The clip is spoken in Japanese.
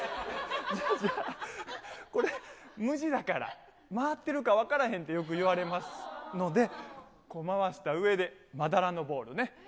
じゃあ、じゃあ、これ、無地だから、回ってるか分からへんって、よく言われますので、回したうえで、まだらのボールね。